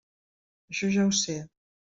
Això ja ho sé.